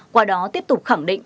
qua đó tiếp tục khẳng định